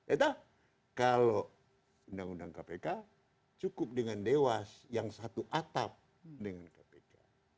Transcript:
itu kalau undang undang kpk cukup dengan dewas yang satu atap dengan kpk